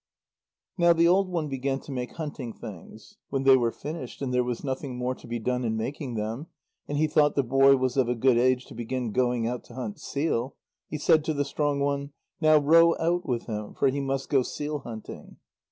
Now the old one began to make hunting things. When they were finished, and there was nothing more to be done in making them, and he thought the boy was of a good age to begin going out to hunt seal, he said to the strong one: "Now row out with him, for he must go seal hunting."